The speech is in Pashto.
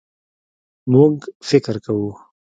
مونږ فکر کوو